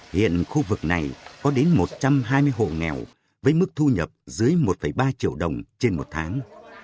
hiện khu vực này có đến một trăm hai mươi hộ nghèo với mức thu nhập dưới một ba triệu đồng trên một tháng